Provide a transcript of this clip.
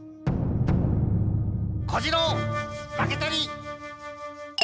小次郎っ負けたり！